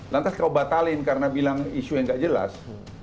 lantas kamu batalin karena bilang isu yang gak jelas